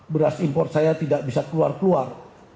beras import saya tidak bisa keluar keluar